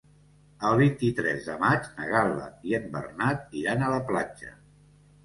El vint-i-tres de maig na Gal·la i en Bernat iran a la platja.